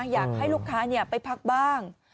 อยากให้ลูกค้าไปพักบ้าง